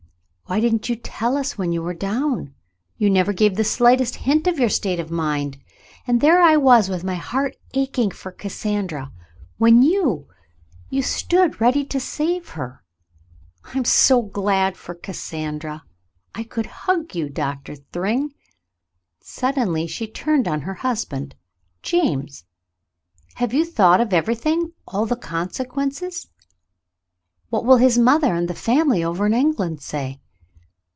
"Why didn't you tell us when you were down ? You never gave the slightest hint of your state of mind, and there I was with my heart aching for Cassandra, when you — you stood ready to save her. I'm so glad for Cassandra ; I could hug you. Doctor Thryng." Suddenly she turned on her husband. "James ! Have you thought of everything — all the consequences ? What will his mother — and the family over in England say.?>"